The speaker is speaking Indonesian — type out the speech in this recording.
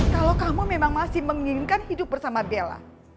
kalau kamu memang masih menginginkan hidup bersama bella